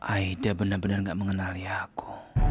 aida benar benar gak mengenali aku